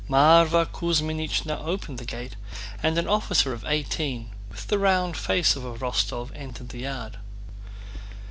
Mávra Kuzmínichna opened the gate and an officer of eighteen, with the round face of a Rostóv, entered the yard.